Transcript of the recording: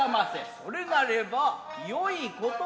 それなればよいことがある。